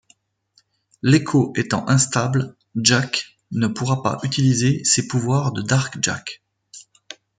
L'Éco étant instable, Jak ne pourra pas utiliser ses pouvoirs de Dark Jak.